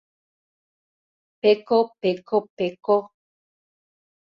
Peco peco peco...